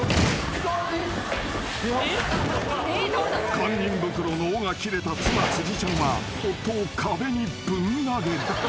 ［堪忍袋の緒が切れた妻辻ちゃんは夫を壁にぶん投げる］